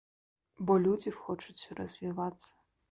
Бо людзі хочуць развівацца.